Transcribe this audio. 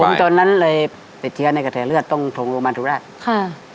ผมตอนนั้นเลยติดเชื้อในกระแสเลือดต้องถงโรงพยาบาลธุราชค่ะ